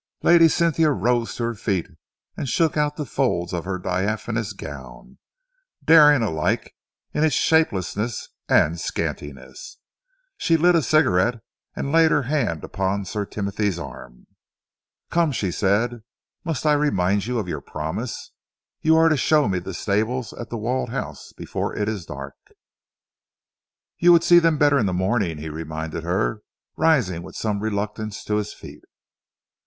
Lady Cynthia rose to her feet and shook out the folds of her diaphanous gown, daring alike in its shapelessness and scantiness. She lit a cigarette and laid her hand upon Sir Timothy's arm. "Come," she said, "must I remind you of your promise? You are to show me the stables at The Walled House before it is dark." "You would see them better in the morning," he reminded her, rising with some reluctance to his feet.